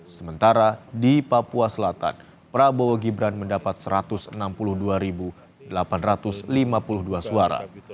sementara di papua selatan prabowo gibran mendapat satu ratus enam puluh dua delapan ratus lima puluh dua suara